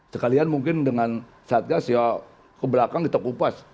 sekalian mungkin dengan satgas ya ke belakang kita kupas